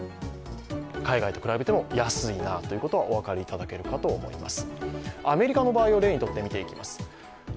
海外と比べても安いなということはお分かりいただけるかと思います。